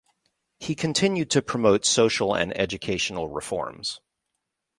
He continued to promote social and educational reforms.